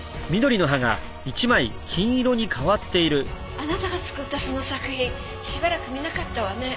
あなたが作ったその作品しばらく見なかったわね。